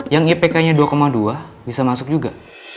yang ipk nya dua dua bisa masuk juga